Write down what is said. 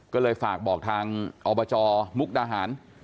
ก็เลยฝากบอกทางอบจมุกดาหาร